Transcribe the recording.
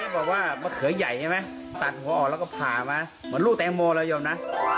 บอกว่ามะเขือใหญ่ใช่ไหมตัดหัวออกแล้วก็ผ่ามาเหมือนลูกแตงโมเลยยอมนะ